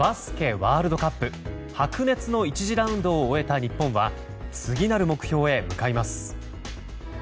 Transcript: ワールドカップ白熱の１次ラウンドを終えた日本は次なる目標へ向かいます。